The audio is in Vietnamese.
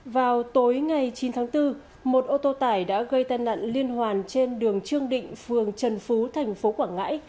vào tối ngày chín tháng bốn một ô tô tải đã gây tai nạn liên hoàn trên đường trương định phường trần phú thành phố quảng ngãi